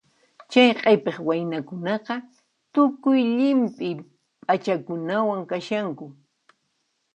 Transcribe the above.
Chay q'ipiq waynakunaqa tukuy llimp'i p'achakunawan kashanku.